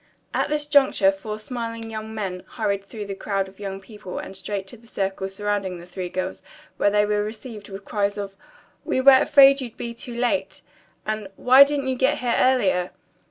At this juncture four smiling young men hurried through the crowd of young people and straight to the circle surrounding the three girls, where they were received with cries of: "We were afraid you'd be too late!" and, "Why didn't you get here earlier?"